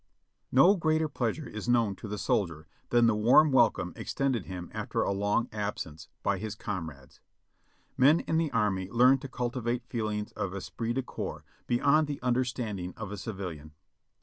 No greater pleasure is known to the soldier than the warm welcome extended him after a long absence, by his comrades. Men in the army learn to cultivate feelings of esprit de corps beyond the understanding of a civilian.